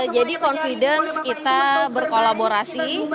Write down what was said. jadi confidence kita berkolaborasi